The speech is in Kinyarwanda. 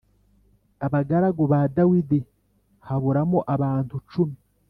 Abagaragu ba Dawidi haburamo abantu cumi